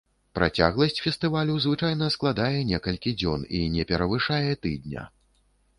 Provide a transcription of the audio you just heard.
Працягласць фестывалю звычайна складае некалькі дзён і не перавышае тыдня.